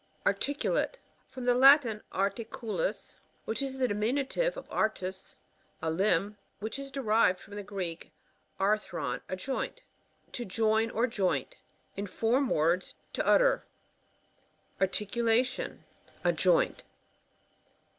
Articulate — Fiom the Latin, arti. culust which is the diu)inut ve of artust a limb, which is derived from the Greek, arlhron^ a joint. To join or joint To form words ; t* utter. Articulation. — A joint.